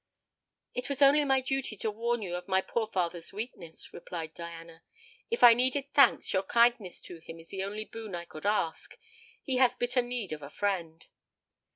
"It was only my duty to warn you of my poor father's weakness," replied Diana. "If I needed thanks, your kindness to him is the only boon I could ask. He has bitter need of a friend."